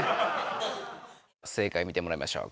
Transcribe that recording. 正解見てもらいましょう。